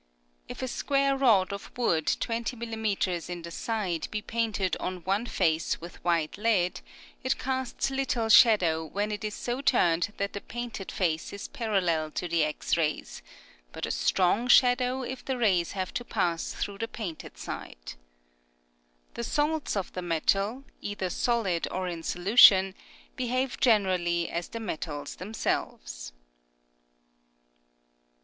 If a square rod of wood 20 mm. in the side be painted on one face with white lead it casts little shadow when it is so turned that the painted face is parallell to the X rays, but a strong shadow if the rays have to pass through the painted side. The salts of the metal, either solid or in solution, behave generally as the metals themselves.